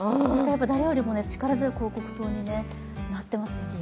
誰よりも力強い広告塔になっていますよね。